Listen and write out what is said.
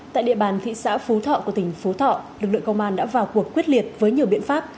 tại địa bàn thị xã phú thọ của tỉnh phú thọ lực lượng công an đã vào cuộc quyết liệt với nhiều biện pháp